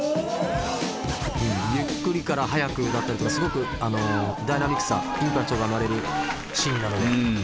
ゆっくりから速くが合ってるとすごくダイナミックさインパクトが生まれるシーンなので。